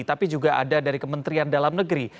tapi juga ada dari kementerian dalam negeri